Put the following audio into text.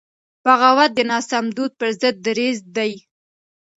بغاوت د ناسم دود پر ضد دریځ دی.